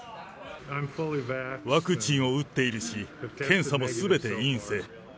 ワクチンを打っているし、検査もすべて陰性。